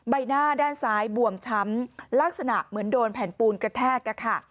ใบหน้าด้านซ้ายบวมช้ำลักษณะเหมือนโดนแผ่นปูนกระแทกอะค่ะ